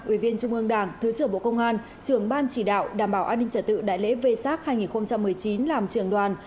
ủy viên trung ương đảng thứ trưởng bộ công an trưởng ban chỉ đạo đảm bảo an ninh trật tự đại lễ v sac hai nghìn một mươi chín làm trưởng đoàn